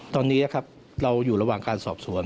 ตอนนี้นะครับเราอยู่ระหว่างการสอบสวน